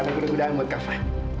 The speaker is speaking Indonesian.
dan ada kuda kudaan buat kafa